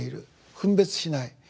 分別しない。